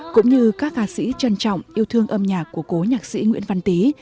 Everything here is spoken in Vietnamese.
cũng như các ca sĩ trân trọng yêu thương âm nhạc của cố nhạc sĩ nguyễn văn tý